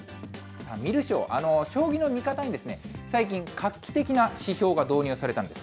観る将、将棋の見方に最近、画期的な指標が導入されたんです。